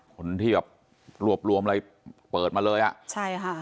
คนที่แบบรวบรวมอะไรเปิดมาเลยอ่ะใช่ค่ะ